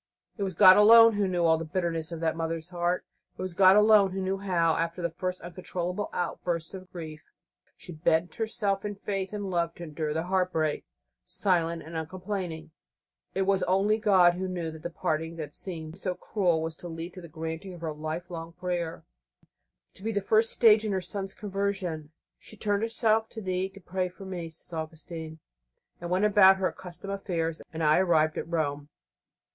It was God alone Who knew all the bitterness of that mother's heart. It was God alone Who knew how, after the first uncontrollable outburst of grief, she bent herself in faith and love to endure the heartbreak silent and uncomplaining. And it was only God Who knew that the parting that seemed so cruel was to lead to the granting of her life long prayer, to be the first stage in her son's conversion. "She turned herself to Thee to pray for me," says Augustine, "and went about her accustomed affairs, and I arrived at Rome."